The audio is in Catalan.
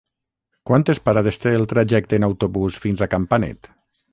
Quantes parades té el trajecte en autobús fins a Campanet?